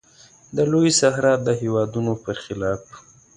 د لویې صحرا د هېوادونو پر خلاف.